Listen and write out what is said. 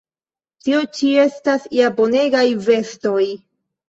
Tio ĉi estas ja bonegaj vestoj!